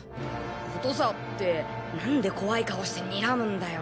ことさってなんで怖い顔してにらむんだよ？